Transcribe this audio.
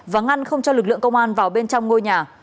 và ngăn không cho lực lượng công an vào bên trong ngôi nhà